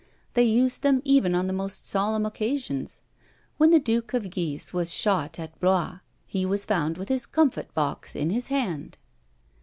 They used them even on the most solemn occasions; when the Duke of Guise was shot at Blois, he was found with his comfit box in his hand.